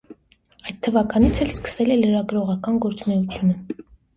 Այդ թվականից էլ սկսել է լրագրողական գործունեությունը։